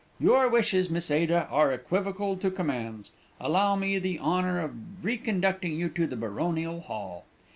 "Your wishes, Miss Ada, are equivocal to commands; allow me the honour of reconducting you to the Baronial Hall."